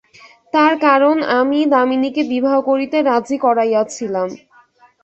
তার কারণ, আমিই দামিনীকে বিবাহ করিতে রাজি করাইয়াছিলাম।